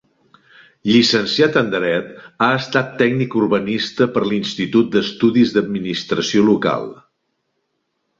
Llicenciat en Dret, ha estat tècnic urbanista per l'Institut d'Estudis d'Administració Local.